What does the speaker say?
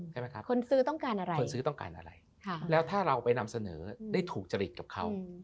ใช่ไหมครับคนซื้อต้องการอะไรคนซื้อต้องการอะไรแล้วถ้าเราไปนำเสนอได้ถูกจริตกับเขา